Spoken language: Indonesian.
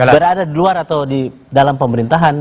berada di luar atau di dalam pemerintahan